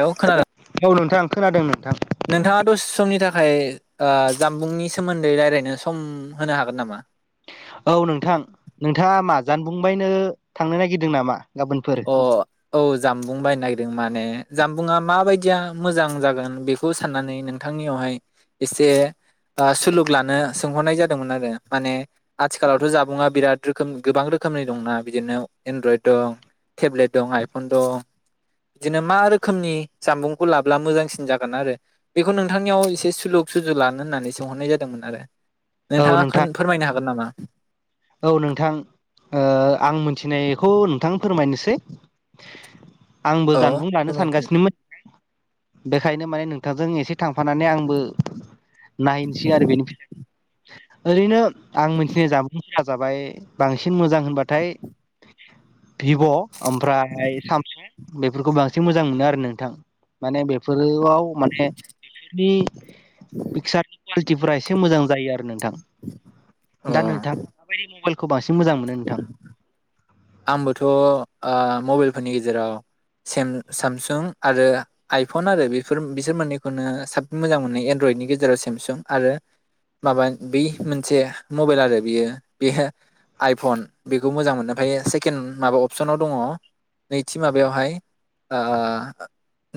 Hello खोनादों औ नोंथां खोनादों नोंथां नोंथाङा दसे समनि थाखाय ओ जामबुंनि सोमोन्दै रायलायनो सम होनो हागोन नामा? औ नोंथां नोंथाङा मा जानबुंबायनो थांनो नागिरदों नामा? गाबोनफोर अ औ जामबुं बायनो नागिरदों माने जानबुंङा माबायदिया मोजां जागोन बेखौ साननानै नोंथांनियावहाय एसे सुलुग लानो सोंहरनाय जादोंमोन आरो माने आथिखालावथ' जामुुङा बिराद रोखोम गोबां रोखोमनि दंना बिदिनो एनड्रयद दं टेब्लेट दं आइफन दं बिदिनो मा रोखोमनि जामबुंखौ लाब्ला मोजांसिन जागोन आरो बेखौ नोंथांनियाव एसे सुलुग सुजु लानो होननानै सोंहरनाय जादोंमोन आरो औ नोंथाङा नोंथां फोरमायनो हागोन नामा? औ नोंथां ओ आं मिथिनायखौ नोंथां फोरमायनोसै आंबो औ जानबुं लानो फोरमायदो सानगासिनोमोन बे ओंखायनो माने नोंथांजों एसे थांफानानै आंबो नायनोसै आरो बेनिफ्राय औरैनो आं मिथिनाय जाम जाजाबाय बांसिन मोजां होनबाथाय भिभ' ओमफ्राय सामसुं बेफोरखौ बांसिन मोजां मोनो आरो नोंथां माने बेफोर ओआव माने बिसिनि पिक्सार कुवालिटिफ्रा एसे मोजां जायो आरो नों थां अ दा नोंथां माबायदि मबाइलखौ बांसिन मोजां मोनो नोंथां आंबोथ' आ मबाइलफोरनि गेजेराव सेम सामसुं आरो आइफन आरो बेफोर बिसोर मोननैखौनो साबसिन मोजां मोनो एनड्रइडनि गेजेराव सेमसुं आरो माबा बै मोनसे मबाइल आरो बियो बे आइफन बेखौ मोजां मोनो। ओमफ्राय सेकेणड माबा अपसनाव दङ नैथि माबायावहाय ओ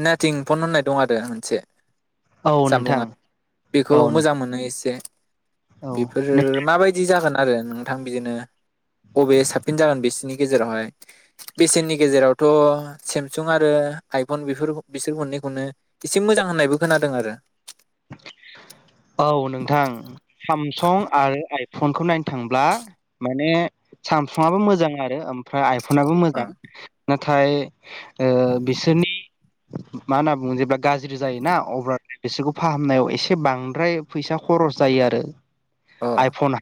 नाथिं फन होननाय दं आरो मोनसे औ नोंथां जामबुङा बेखौ औ नों मोजां मोनो एसे औ बेफोर नोंथां माबायदि जागोन आरो नोंथां बिदिनो बबे साब फिन जागोन बिसिनि गेजेरावहाय बेसेननि गेजेरावथ' सेमसुं आरो आइफन बेफोर बिसोर मोननैखौनो एसे मोजां होननायबो खोनादों आरो औ नोंथां सामसं आरो आइफनखौ नायनो थांब्ला माने सामसंआबो मोजां आरो ओमफ्राय आइ फनाबो अ मोजां ना थाइ ओ बिसोरनि मा होनना बुङो जेब्ला गाज्रि जायोना अब्ला बिसोरखौ फाहामनायाव एसे बांद्राय फैसा खरस जायो आरो अ आइफना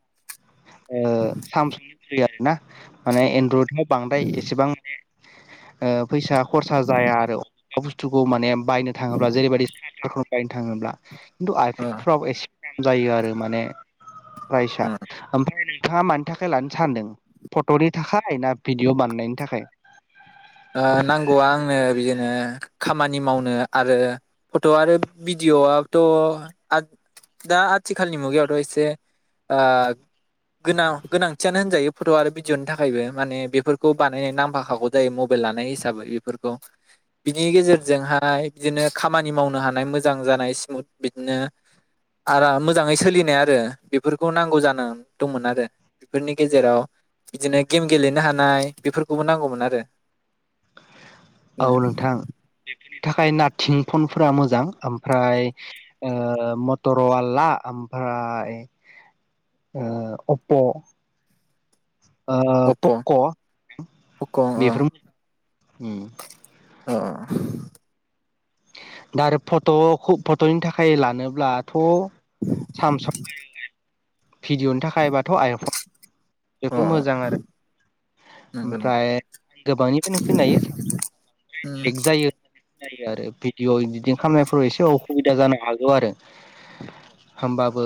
ओ सामसंनिफ्राय आरोना माने एनड्रइड [unintelligible] बांद्राय एसेबां माने ओ फैसा खरसा जाया आरो थुखौ माने बायनो थाङोब्ला जेरैबायदि [unintelligible] थाङोब्ला अ [unintelligible] [unintelligible] जायो आरो माने फ्रायसा उम ओमफ्राय ओरै थाङा मानि थाखाय लानो सानदों फट'नि थाखाय ना भिडिअ बानायनायनि थाखाय नांगौआ आंनो ओ बिदिनो खामानि मावनो आरो फट' आरो भिडिअ'आबोथ' आ दा आथिखालनि मुगायावथ' एसे ओ गोनां गोनांथियानो होनजायो फट' आरो भिडिअ'नि थाखायबो माने बेफोरखौ बानायनाय नांफाखागौ जायो मबाइ बेल लानाय हिसाबै बेफोरखौ बिनि गेजेरजोंहाय बिदिनो खामानि मावनो हानाय मोजां जानाय स्मुथ बिदिनो आरा मोजाङै सोलिनाय आरो बेफोरखौ नांगौ जाना दंमोन आरो बेफोरनि गेजेराव बिदिनो गेम गेलेनो हानाय बेफोरखौबो नांगौमोन आरो औ बिदिनो नोंथां थाखाय नाथिं फनफोरा मोजां ओमफ्राय ओ मटर'वला ओमफ्राय ओ अप्प' ओ अप्प' पक' पक' अ बेफोर उम अ अ अ दा आरो फट'खौ फट'नि थाखाय लानोब्लाथ' सामसं भिडिअनि थाखायबाथ' आयफन अ बेखौ मोजां आरो नंगौ नंगौ ओमफ्राय गोबांनिफ्रायनो उम [unintelligible] जायो जायो आरो भिडिअ' इदिटिं खामनायफोराव एसे अखुबिदा जानो हागौ आरो होमबाबो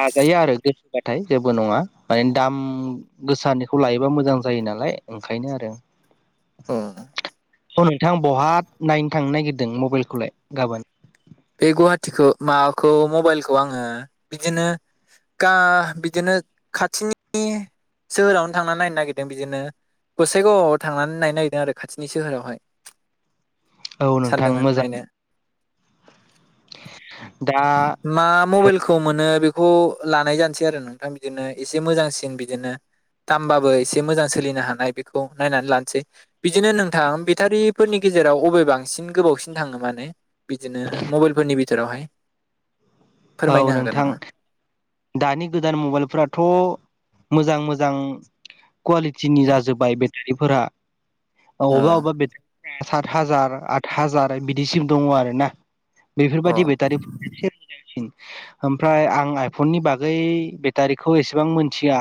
हाजायो आरो गोसोबाथाय जेबो नङा बाइन दाम गोसानिखौ लायोबा मोजां जायो नालाय ओंखायनो आरो अ औ नोंथां बहा नायनो थांनो नागिरदों मबाइलखौलाय गाबोन बे गुवाहाटिखौ माबाखौ मबाइलखौ आङो बिदिनो गा बिदिनो खाथिनि सोहोरावनो थांनानै नायनो नागिरदों बिदिनो गसाइगावआव थांनानै नायनो नागिरदों आरो खाथिनि सोहोरावहाय औ नोंथां सानदोंमोन मोजां नायनो [inaudible] मा मबाइल खौ मोनो बेखौ लानाय जानोसै आरो नोंथां बिदिनो एसे मोजांसिन बिदिनो दामबाबो एसे मोजां सोलिनो हानाय बेखौ नायनानै लानोसै बिदिनो नोंथां बेटारिफोरनि गेजेराव अबे बांसिन गोबावसिन थाङो माने बिदिनो मबाइलफोरनि बि जेरावहाय औ फोरमायनो हागोन नोंथां नामा दानि गोदान मबाइलफोराथ' मोजां मोजां कुवालिटिनि जाजोबाय बे रिफोरा अ अबा अबा बे सात हाजार आत हाजार बिदिसिम दङ आरो ना बेफोरबायदि अ बेटारिफ्रा [unintelligible] ओमफ्राय आं आइ फननि बागै बेटारिखौ एसेबां मोनथिया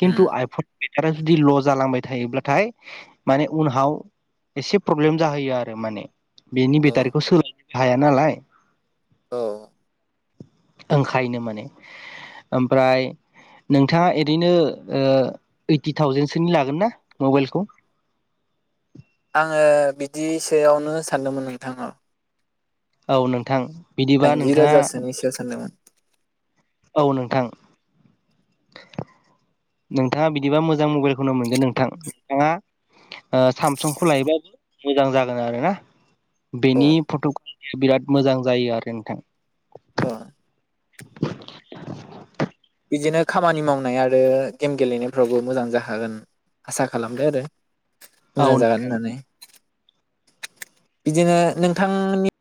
खिथु उम आइफन बेटारिया जुदि ल' जालांबाय थायोब्लाथाय माने उनाव एसे प्रब्लेम जाहैयो आरो माने बेनि अ बेटारिखौ सोलायनो हाया नालाय औ ओंखायनो माने ओमफ्राय नोंथाङा ओरैनो ओ ओइटि थावजेनसोनि लागोन ना मबाइलखौ? आङो बिदिसोआवनो सानदोंमोन नोंथां औ नोंथां बिदिबा दाइजि नोंथाङा रोजासोनिसो सानदोंमोन औ नोंथां नोंथाङा बिदिबा मोजां मबाइलखौनो मोनगोन नोंथां नोंथाङा ओ सामसुंखौ लायोबाबो मोजां जागोन आरोना अ बेनि फट' बिराद मोजां जायो आरो नोंथां अ बिदिनो खामानि मावनाय आरो गेम गेलेनायफ्रावबो मोजां जाखागोन आसा खालामदो आरो औ मोजां जागोन नोंथां होननानै बिदिनो नोंथांमोननि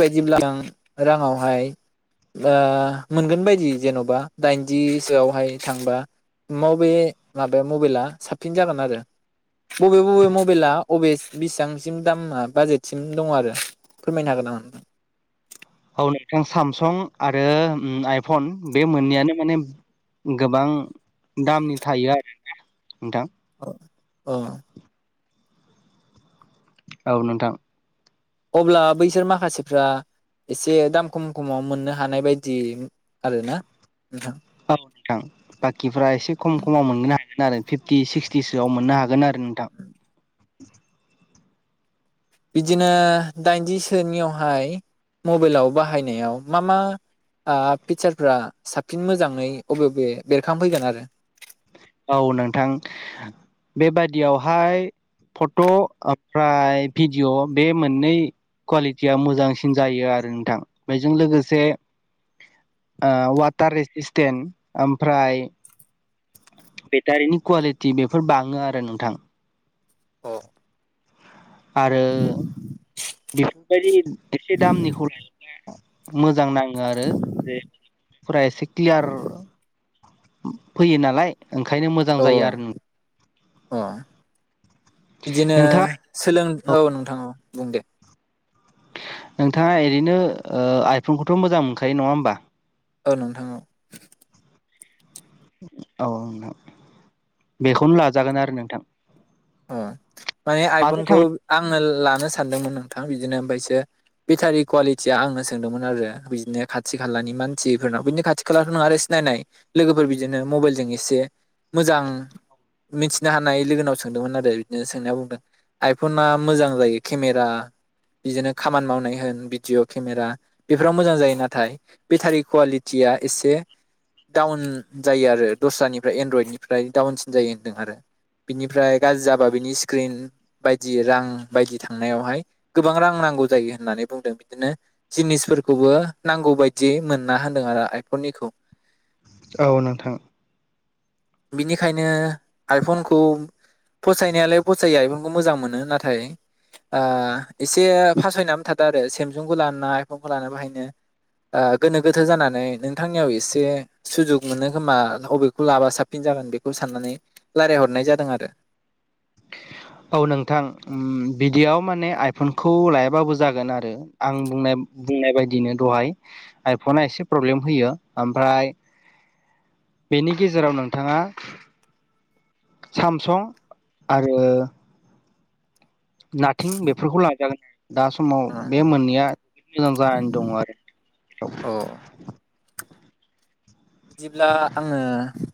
बादिब्ला आं राङावहाय ओ मोनगोन बायदि जेन'बा दाइनजिसोआवहाय थांबा बबे माबाया मबाइला साबसिन जागोन आरो बबे बबे मबाइला बबे बिसिबांसिम दामा बाजेटसिम दङ आरो फोरमायनो हागोन नामा? [inaudible] औ नोंथां सामसं आरो ओ आइफन बे मोननैयानो माने गोबां दामनि थायो आरो नोंथां अ औ नोंथां अब्ला बैसोर माखासेफ्रा एसे दाम खम खमाव मोननो हानाय बायदि आरो ना औ नोंथां बाखिफ्रा एसे खम खमाव मोनगोन हायो आरो फिफ्टि सिक्सटिसोआव मोननो हागोन आरो नोंथां बिदिनो दाइनजिसोनियावहाय मबाइलाव बाहायनायाव मा मा ओ फिचारफ्रा साबसिन मोजाङै बबे बबे बेरखांफैगोन आरो? औ नोंथां बेबादियावहाय फट' ओमफ्राय भिडिअ' बे मोननै कुवालिटिया मोजांसिन जायो आरो नोंथां बेजों लोगोसे वाटार एसिसटेन्ट ओमफ्राय बेटारिनि कुवालिटि बेफोर बाङो आरो नोंथां। अ आरो बेफोरबायदि एसे दामनिखौ लायोब्ला मोजां नाङो आरो जफोरा एसे क्लियार फैयो नालाय ओंखायनो मोजां औ जायो आरो। अ बिदिनो नोंथाङा सोलों औ नोंथां बुं दे नोंथाङा ओरैनो ओ आइफनखौथ' मोजां मोनखायो नङा होमबा? औ नोंथां औ औ नोंथां बेखौनो लाजागोन आरो नोंथां अ माने माजों आइफनखौ थांनो आङो लानो सानदोंमोन नोंथां बिदिनो ओमफ्राय सो बेटारि कवालि आं सोंदोंमोन आरो बिनो खाथि खालानि मानसिफोरनाव बिदि खाथि खाला नङा सिनायनाय लोगोफोर बिदिनो मबेल जों एसे मोजांथिनो हानाय लोगो सोंदोंमोन आरो बिदिनो सोंनाया बुंदों आइफना मोजां जायो केमेरा बिदिनो खामानि मावनाय होन भिडिअ' केमेरा बेफोराव मोजां जायो नाथाय बेटारि कुवालिटिया एसे डाउन जायो आरो दस्रानिफ्राय एनड्रयडनिफ्राय डाउनसिन जायो होनदों आरो बिनिफ्राय गाज्रि जाबा बिनि स्क्रिन बायदि रां बायदि थांनायावहाय गोबां रां नांगौ जायो होननानै बुंदों बिदिनो जिनिसफोरखौबो नांगौ बायदि मोनना होनदों आरो आइफननिखौ औ नोंथां बिनिखायनो आइफनखौ फसायनायालाय फसायो आइफनखौ मोजां मोनो नाथाय ओ एसे फासायनानै थादों आरो सेमसुंखौ लाना आइफनखौ लानो बाहायनो गोनो गोथो जानानै नोंथांनियाव एसे सुजुग मोनो खोमा बबेखौ लाबा साबसिन जागोन बेखौ साननानै रायल्लायहरनाय जादों आरो औ नोंथां बिदियाव माने आइफनखौ लायाबाबो जागोन आरो आं बुंनाय बुंनाय बायदिनो दहाय आइफना एसे प्रब्लेम होयो ओमफ्राय बेनि गेजेराव नोंथाङा सामसं आरो नाथिं बेफोरखौ लाजागोन दा समाव बे मोननैया मोजां जानानै दङ आरो अ बिदिब्ला आङो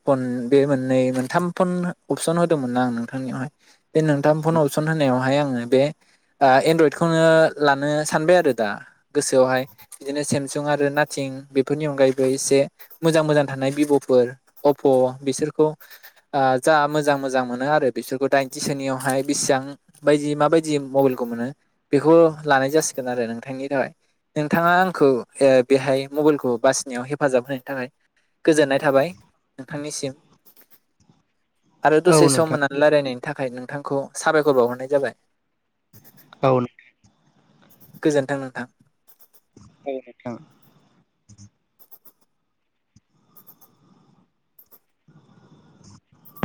फन बे मोननै मोनथाम फन अपसन होदोंमोनना आं नोंथांनियावहाय बे नोंथाम फन अपसन होनायावहाय आङो बे एनड्रइदखौनो लानो सानबाय आरो दा गोसोआवहाय बिदिनो सेमसुं आरो नाथिं बेफोरनि अनगायैबो एसे मोजां मोजां थानाय भिभ'फोर अप्प' बिसोरखौ आ जा मोजां मोजां मोनो आरो बिसोरखौ दाइनथिसोनियावहाय बेसिबां बायदि माबायदि मबाइलखौ मोनो बेखौ लानाय जासिगोन आरो नोंथांनि थाखाय नोंथाङा आंखौ बेहाय मबाइलखौ बासिनायाव हेफाजाब होनायनि थाखाय गोजोननाय थाबाय नोंथांनिसिम आरो औ दसे सम नोंथां होनानै रायलायनाय थाखाय नोंथांखौ साबायखर बावहरनाय जाबाय औ गोजोन्थों नोंथां औ नोंथां [inaudible]